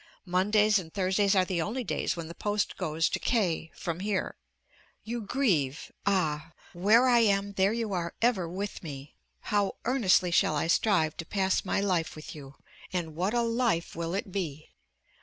Mondays and Thursdays are the only days when the post goes to K from here. You grieve! Ah! where I am, there you are ever with me: how earnestly shall I strive to pass my life with you, and what a life will it be!!!